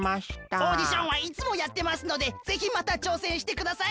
オーディションはいつもやってますのでぜひまたちょうせんしてください。